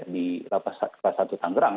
di lapas rutan tangerang